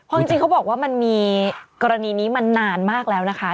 จริงเขาบอกว่ามันมีกรณีนี้มานานมากแล้วนะคะ